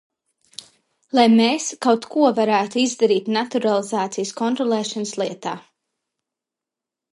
Lai mēs kaut ko varētu izdarīt naturalizācijas kontrolēšanas lietā.